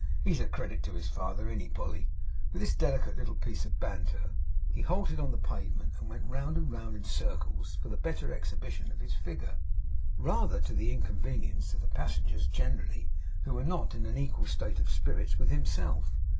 He's a credit to his father, an't he, Polly?' With this delicate little piece of banter, he halted on the pavement, and went round and round in circles, for the better exhibition of his figure; rather to the inconvenience of the passengers generally, who were not in an equal state of spirits with himself.